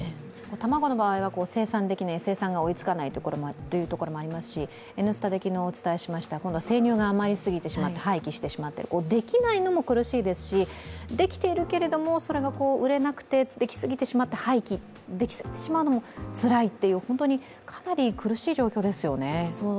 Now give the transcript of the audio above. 卵の場合は生産できない、生産が追いつかないというところもありますし、「Ｎスタ」で昨日お伝えしました生乳が余りすぎて廃棄してしまうと、できないのも苦しいですし、できているけれどもそれが売れなくて、できすぎてしまって廃棄、つらいという、かなり苦しい状況ですよね。